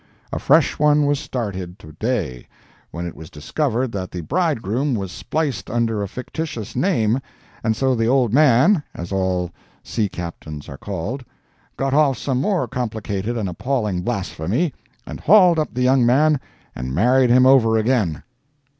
A fresh one was started to day, when it was discovered that the bridegroom was spliced under a fictitious name, and so the "old man," (as all sea captains are called,) got off some more complicated and appalling blasphemy, and hauled up the young man and married him over again!